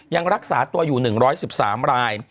ยังรักษาตัวอยู่๑๑๓ราย